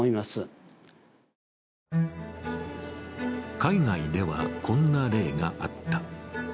海外では、こんな例があった。